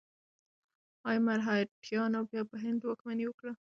ایا مرهټیانو بیا په هند واکمني وکړه؟